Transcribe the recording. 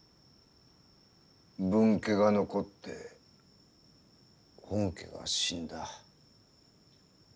分家が残って本家が死んだ。